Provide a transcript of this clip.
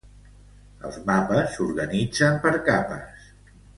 Els mapes s'organitzen per capes.